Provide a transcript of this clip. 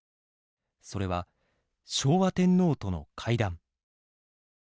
それは昭和天皇との会談。